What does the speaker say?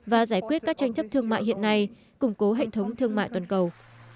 và giải quyết các tranh chấp thương mại hiện nay củng cố hệ thống thương mại toàn cầu